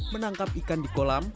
menangkap ikan di kolam